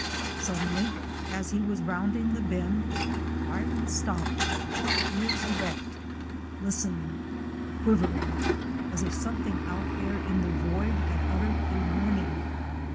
Suddenly as he was rounding the bend Byron stopped, ears erect, listening, quiver ing, as if something out there in the void had uttered a warning.